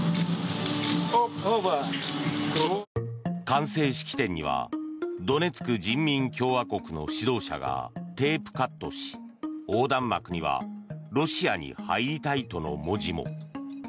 完成式典にはドネツク人民共和国の指導者がテープカットし横断幕には「ロシアに入りたい」との文字も。